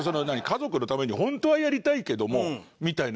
家族のために本当はやりたいけどもみたい